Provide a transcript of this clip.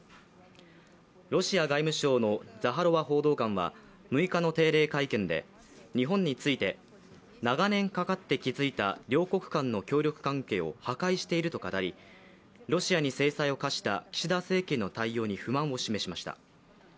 ロシア外務省のザハロワ報道官は６日の定例会見で日本について長年かかって築いた両国間の協力関係を破壊していると語りロシアに制裁を科した岸田政権の対応に不満を示しました。